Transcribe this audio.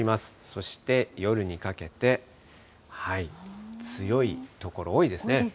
そして夜にかけて、強い所、多いですね。